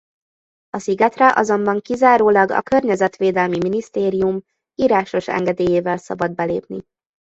A szigetre azonban kizárólag a Környezetvédelmi Minisztérium írásos engedélyével szabad belépni.